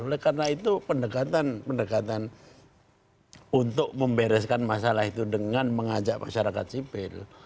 oleh karena itu pendekatan pendekatan untuk membereskan masalah itu dengan mengajak masyarakat sipil